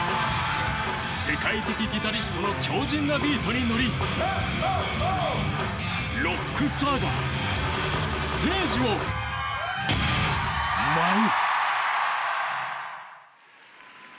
世界的ギタリストの強じんなビートに乗りロックスターがステージを舞う。